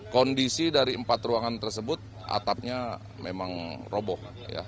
kondisi dari empat ruangan tersebut atapnya memang roboh